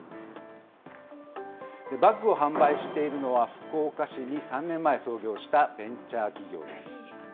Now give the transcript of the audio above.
バッグを販売しているのは、福岡市に３年前創業したベンチャー企業です。